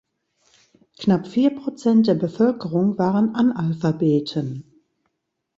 Knapp vier Prozent der Bevölkerung waren Analphabeten.